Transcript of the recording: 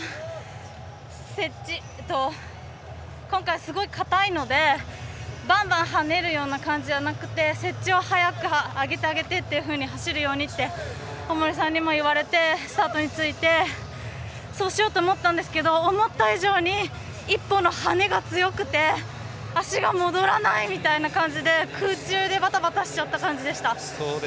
接地と今回すごい硬いのでばんばん跳ねるような感じじゃなくて接地を早く上げてあげてというふうに走るようにって大森さんにも言われてスタートについてそうしようと思ったんですけど思った以上に１歩の跳ねが強くて足が戻らないみたいな感じで空中でばたばたしちゃった感じでした。